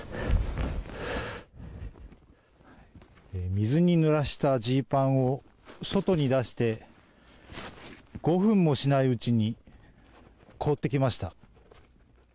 水にぬらしたジーパンを外に出して５分もしないうちに凍ってきました。